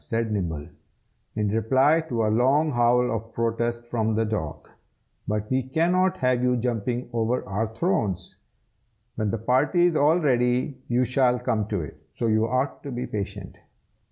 said Nibble, in reply to a long howl of protest from the dog. "But we cannot have you jumping over our thrones. When the party is all ready, you shall come to it, so you ought to be patient.